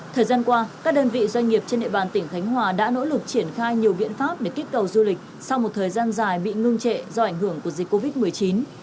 thời gian qua các đơn vị doanh nghiệp trên địa bàn tỉnh thánh hòa đã nỗ lực triển khai nhiều biện pháp để kích cầu du lịch sau một thời gian dài bị ngưng trệ do ảnh hưởng của các đơn vị doanh nghiệp